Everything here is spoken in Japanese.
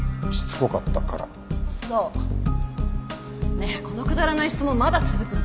ねえこのくだらない質問まだ続くの？